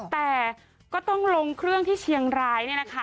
แต่ก็ต้องลงเครื่องที่เชียงรายเนี่ยนะคะ